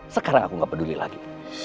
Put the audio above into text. sekarang aku gak peduli lagi